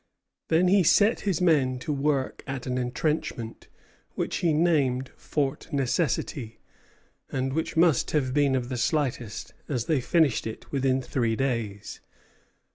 Then he set his men to work at an entrenchment, which he named Fort Necessity, and which must have been of the slightest, as they finished it within three days.